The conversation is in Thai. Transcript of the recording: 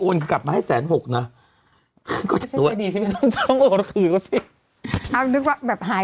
โอนกะกับมาให้แสนหกน่ะก็เลยเดี๋ยวจะโอดคือกับเสียนึกว่าแบบหาย